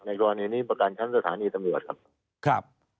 กรณีนี้ประกันชั้นสถานีตำรวจครับ